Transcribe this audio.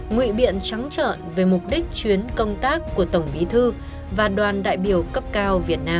ngụy biện trắng trợn về mục đích chuyến công tác của tổng bí thư và đoàn đại biểu cấp cao